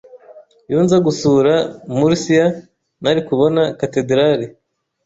Iyo nza gusura Murcia, nari kubona katedrali.